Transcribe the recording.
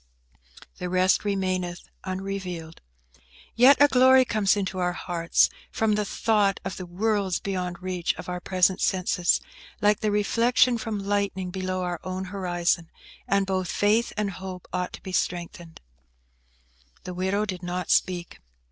"'The rest remaineth unrevealed.' Yet a glory comes into our hearts from the thought of the worlds beyond reach of our present senses, like the reflection from lightning below our own horizon, and both faith and hope ought to be strengthened." The widow did not speak.